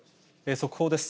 速報です。